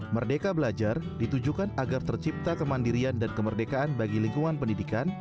merdeka belajar ditujukan agar tercipta kemandirian dan kemerdekaan bagi lingkungan pendidikan